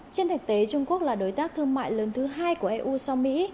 trên thực tế trung quốc là đối tác thương mại lớn thứ hai của eu sau mỹ